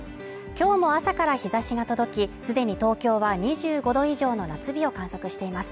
今日も朝から日差しが届き、既に東京は２５度以上の夏日を観測しています。